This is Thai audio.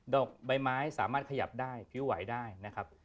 อกใบไม้สามารถขยับได้พิ้วไหวได้นะครับ